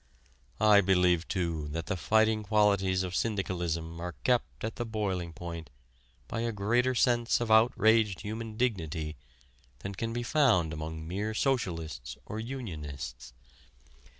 I believe too that the fighting qualities of syndicalism are kept at the boiling point by a greater sense of outraged human dignity than can be found among mere socialists or unionists.